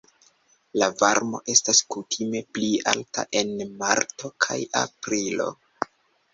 La varmo estas kutime pli alta en marto kaj aprilo.